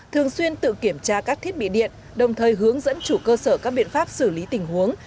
thường xuyên tự kiểm tra các thiết bị điện đồng thời hướng dẫn chủ cơ sở các biện pháp xử lý tình huống